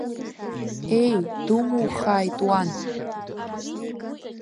Еи, думухааит уан.